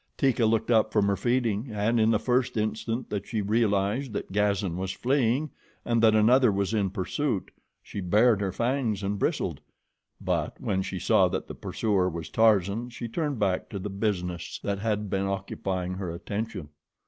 Teeka looked up from her feeding, and in the first instant that she realized that Gazan was fleeing and that another was in pursuit, she bared her fangs and bristled; but when she saw that the pursuer was Tarzan she turned back to the business that had been occupying her attention.